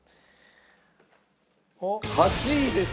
８位です。